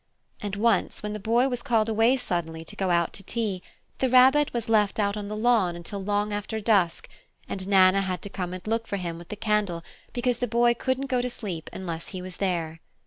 And once, when the Boy was called away suddenly to go out to tea, the Rabbit was left out on the lawn until long after dusk, and Nana had to come and look for him with the candle because the Boy couldn't go to sleep unless he was there.